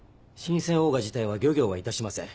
神饌オーガ自体は漁業はいたしません。